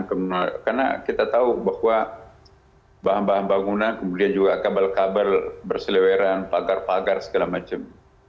karena kita tahu bahwa bahan bahan bangunan kemudian juga kabel kabel bersiliweran pagar pagar segala macam